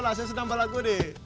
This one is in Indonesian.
saya sedang berlagu